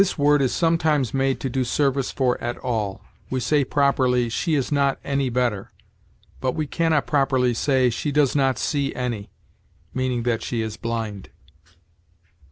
This word is sometimes made to do service for at all. We say properly, "She is not any better"; but we can not properly say, "She does not see any," meaning that she is blind.